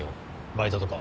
バイトとか。